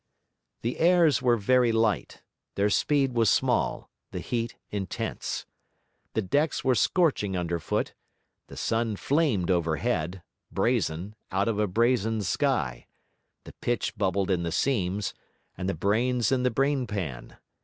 The airs were very light, their speed was small; the heat intense. The decks were scorching underfoot, the sun flamed overhead, brazen, out of a brazen sky; the pitch bubbled in the seams, and the brains in the brain pan.